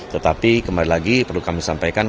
tetapi kembali lagi perlu kami sampaikan